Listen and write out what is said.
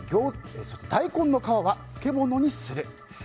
大根の皮は漬物にする。